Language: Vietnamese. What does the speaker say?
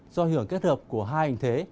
do hưởng kết hợp của hai hình thế